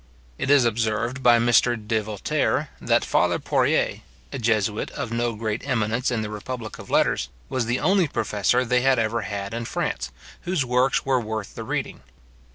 It is observed by Mr. de Voltaire, that father Porée, a jesuit of no great eminence in the republic of letters, was the only professor they had ever had in France, whose works were worth the reading.